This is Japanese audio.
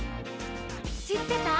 「しってた？」